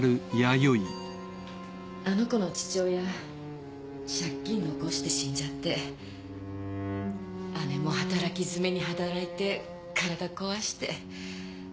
あの子の父親借金残して死んじゃって姉も働きづめに働いて体壊して。